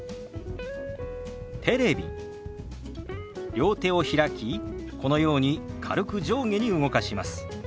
両手を開きこのように軽く上下に動かします。